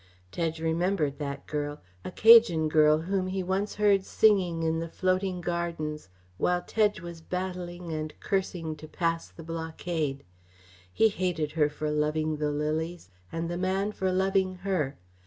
Tedge remembered that girl a Cajan girl whom he once heard singing in the floating gardens while Tedge was battling and cursing to pass the blockade. He hated her for loving the lilies, and the man for loving her.